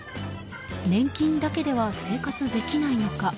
年金だけでは生活できないのか。